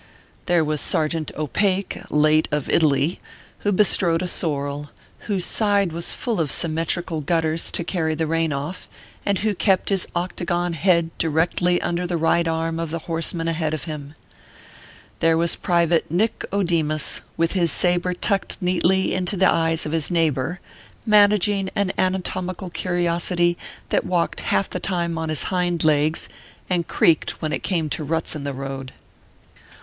There was Sergeant OTake, late of Italy, who be strode a sorrel, whose side was full of symmetrical gut ters to carry the rain off, and who kept his octagon head directly under the right arm of the horseman ahead of him. There was private Nick O Demus, with his sabre tucked neatly into the eyes of his neighbor, managing an anatomical curiosity that walked half of the tune on his hind legs, and creaked when it came to ruts in the road.